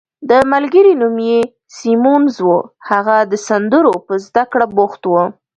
د ملګري نوم یې سیمونز وو، هغه د سندرو په زده کړه بوخت وو.